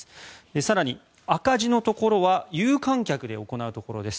更に、赤字のところは有観客で行うところです。